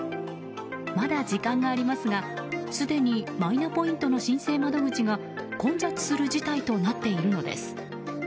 まだ時間がありますが、すでにマイナポイントの申請窓口が混雑する事態となっているのです。